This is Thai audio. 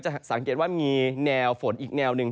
สังเกตว่ามีแนวฝนอีกแนวหนึ่ง